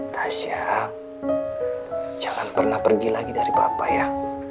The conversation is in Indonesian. tasya jangan pernah pergi lagi dari bapak ya